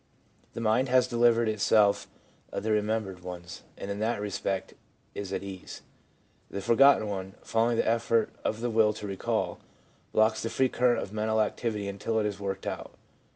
The mind has delivered itself of the remembered ones, and in that respect is at ease ; the forgotten one, following the effort of the will to recall, blocks the free current of mental activity until it is worked out.